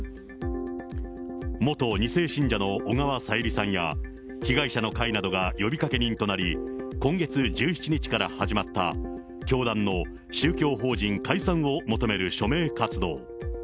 元２世信者の小川さゆりさんや、被害者の会などが呼びかけ人となり、今月１７日から始まった、教団の宗教法人解散を求める署名活動。